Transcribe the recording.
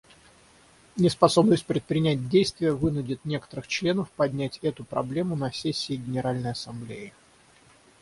Неспособность предпринять действия вынудит некоторых членов поднять эту проблему на сессии Генеральной Ассамблеи.